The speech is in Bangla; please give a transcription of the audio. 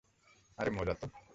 আরে মজা তো!